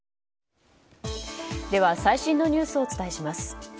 では最新のニュースをお伝えします。